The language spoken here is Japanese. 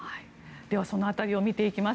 その辺りを見ていきます。